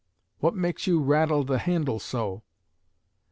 (What meks you rattle de handle so?)